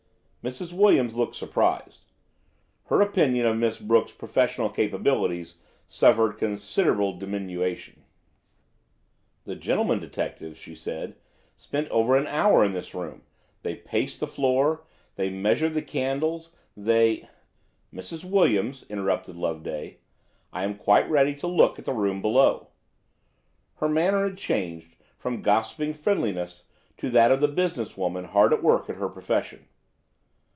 Mrs. Williams looked surprised. Her opinion of Miss Brooke's professional capabilities suffered considerable diminution. "The gentlemen detectives," she said, "spent over an hour in this room; they paced the floor, they measured the candles, they—" "Mrs. Williams," interrupted Loveday, "I am quite ready to look at the room below." Her manner had changed from gossiping friendliness to that of the business woman hard at work at her profession.